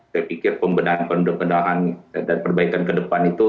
saya pikir pembenahan pembenahan dan perbaikan ke depan itu